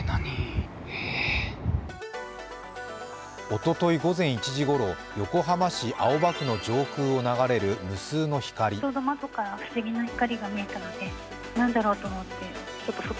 おととい午前１時ごろ横浜市青葉区の上空を流れる無数の光。